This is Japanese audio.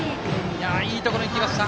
いいところにきました。